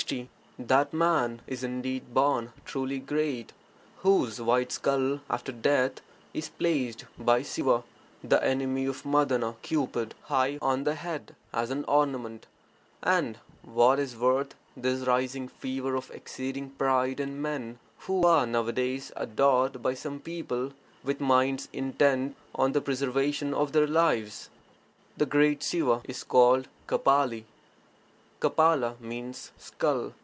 That man is indeed born (truly great) whose white skull (after death) is placed by (Siva) the enemy of Madana (Cupid) high on the head as an ornament; (and) what is (worth) this rising fever of exceeding pride in men, who are nowadays adored by some people with minds intent on the preservation of their lives! [The great Siva is called Kapali; Kapala meaning 'skull'.